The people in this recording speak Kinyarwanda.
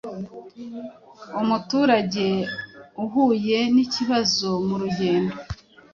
umuturage uhuye n’ikibazo mu rugendo,